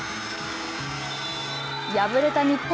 敗れた日本。